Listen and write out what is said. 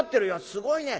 すごいね。